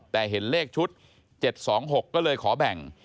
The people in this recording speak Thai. แต่เห็นเลขชุด๗๒๖ก็เลยขอแบ่ง